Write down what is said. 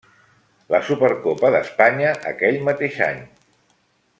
La Supercopa d'Espanya aquell mateix any.